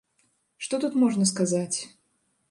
Што тут можна сказаць?